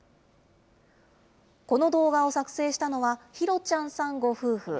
この動画を作成したのは、ひろちゃんさんご夫婦。